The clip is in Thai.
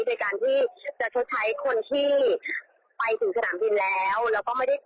ในการที่จะชดใช้คนที่ไปถึงสนามบินแล้วแล้วก็ไม่ได้